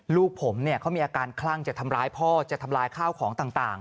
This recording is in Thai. ลูกผมเนี่ยเขามีอาการคลั่งจะทำร้ายพ่อจะทำลายข้าวของต่าง